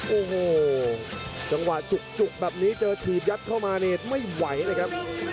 โอ้โหจังหวะจุกแบบนี้เจอถีบยัดเข้ามาเนี่ยไม่ไหวนะครับ